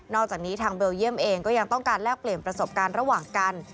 อกจากนี้ทางเบลเยี่ยมเองก็ยังต้องการแลกเปลี่ยนประสบการณ์ระหว่างกัน